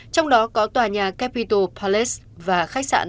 trong đó có tòa nhà capital palace và khách sạn